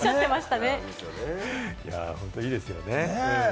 本当にいいですよね。